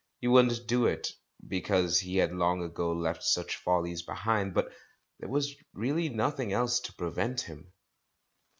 He wouldn't do it, because he had long ago left such follies behind, but there was really nothing else to prevent him.